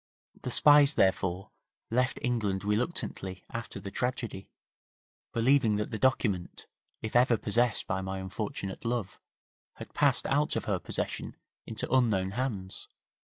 The spies therefore left England reluctantly after the tragedy, believing that the document, if ever possessed by my unfortunate love, had passed out of her possession into unknown hands.'